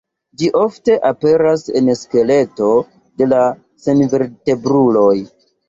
Ĝi ofte aperas en skeleto de la senvertebruloj.